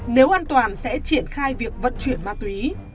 nếu an toàn sẽ triển khai việc vận chuyển ma túy